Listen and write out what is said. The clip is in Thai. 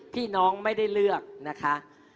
ที่น้องไม่ได้เลือกนะคะ